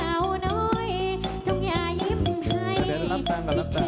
น้ำตาตกโคให้มีโชคเมียรสิเราเคยคบกันเหอะน้ำตาตกโคให้มีโชค